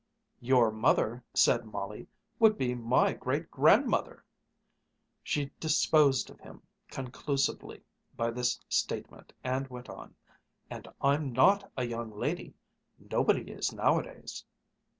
"Your mother," said Molly, "would be my great grandmother!" She disposed of him conclusively by this statement and went on: "And I'm not a young lady. Nobody is nowadays."